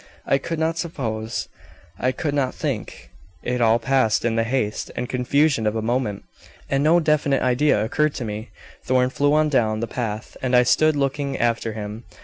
"I could not suppose; I could not think; it all passed in the haste and confusion of a moment, and no definite idea occurred to me. Thorn flew on down the path, and I stood looking after him.